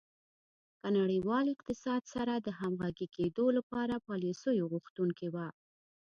له نړیوال اقتصاد سره د همغږي کېدو لپاره پالیسیو غوښتونکې وه.